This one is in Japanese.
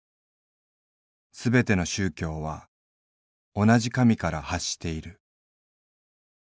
すべての宗教は同じ神から発している。